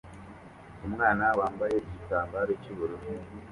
Umwana wambaye igitambaro cy'ubururu